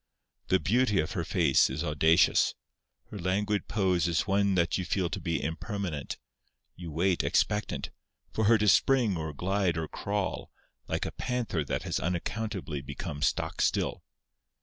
The beauty of her face is audacious; her languid pose is one that you feel to be impermanent—you wait, expectant, for her to spring or glide or crawl, like a panther that has unaccountably become stock still.